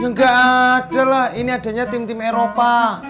ya gak ada lah ini adanya tim tim eropa